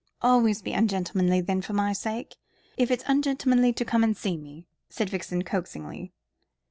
"Always be ungentlemanly then for my sake if it's ungentlemanly to come and see me," said Vixen coaxingly.